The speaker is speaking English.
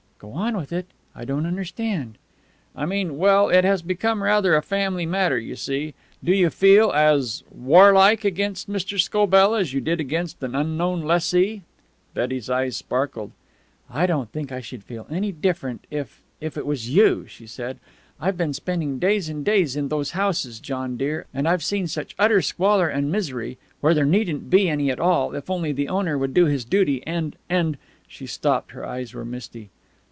"Go on with it? I don't understand." "I mean well, it has become rather a family matter, you see. Do you feel as warlike against Mr. Scobell as you did against an unknown lessee?" Betty's eyes sparkled. "I don't think I should feel any different if if it was you," she said. "I've been spending days and days in those houses, John dear, and I've seen such utter squalor and misery, where there needn't be any at all if only the owner would do his duty, and and " She stopped. Her eyes were misty.